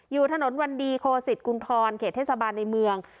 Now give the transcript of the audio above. อยู่ถนนวันดีโคสิตกุณฑรเขตเทศบาลในเมือง